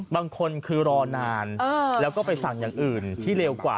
บางคนคือรอนานแล้วก็ไปสั่งอย่างอื่นที่เร็วกว่า